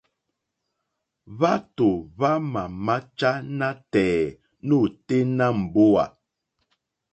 Hwátò hwámà máchá nátɛ̀ɛ̀ nôténá mbówà.